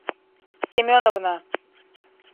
Семеновна.